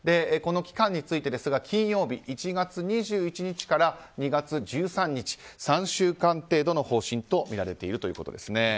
この期間について、金曜日１月２１日から２月１３日、３週間程度の方針とみられているということです。